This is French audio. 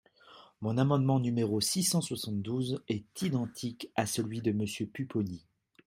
Mon amendement numéro six cent soixante-douze est identique à celui de Monsieur Pupponi.